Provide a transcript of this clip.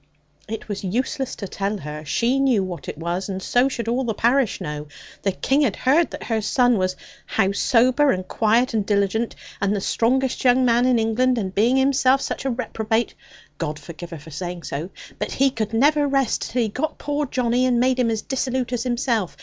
'It was useless to tell her; she knew what it was, and so should all the parish know. The King had heard what her son was, how sober, and quiet, and diligent, and the strongest young man in England; and being himself such a reprobate God forgive her for saying so he could never rest till he got poor Johnny, and made him as dissolute as himself.